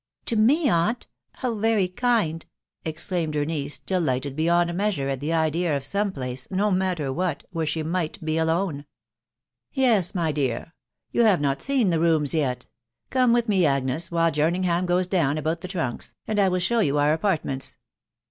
" To me; aunt ?..•. How very kind !" exclaimed her. niece, delighted beyond measure at the ideaiof. some place, no matter what, where she might be alone. "Yes, my dear. .... You have not seen the rooms yet; come with me Agnes, while Jernisgham goes down about the trunks, and I will show you our apartments."